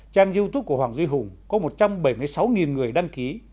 trang youtube của hoàng duy hùng có một trăm bảy mươi sáu người đăng ký